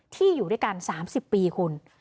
อยู่ด้วยกัน๓๐ปีคุณ